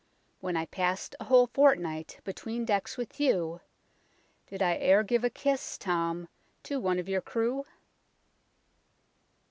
When I passed a whole fortnight between decks with you, Did I e'er give a kiss, Tom, to one of your crew